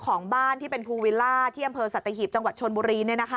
ของบ้านที่เป็นภูวิลล่าที่อำเภอสัตหีบจังหวัดชนบุรี